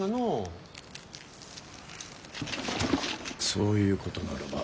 そういうことならば。